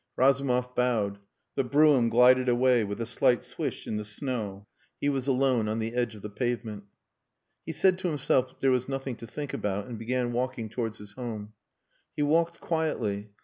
Razumov bowed. The brougham glided away with a slight swish in the snow he was alone on the edge of the pavement. He said to himself that there was nothing to think about, and began walking towards his home. He walked quietly.